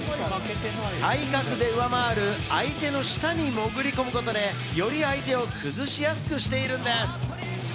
体格で上回る相手の下に潜り込むことで、より相手を崩しやすくしているんです。